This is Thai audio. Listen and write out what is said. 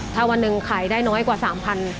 ถ้าวันหนึ่งขายได้น้อยกว่า๓๐๐บาท